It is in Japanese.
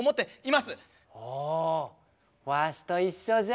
あわしと一緒じゃ。